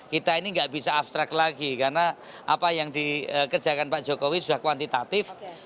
kita ini nggak bisa abstrak lagi karena apa yang dikerjakan pak jokowi sudah kuantitatif